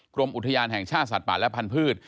กรมอุทยานแห่งชาติสัตว์ป่าและพันธุ์